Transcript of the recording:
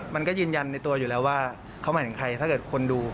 มันก็ยืนยันในตัวอยู่แล้วว่าเขาหมายถึงใครถ้าเกิดคนดู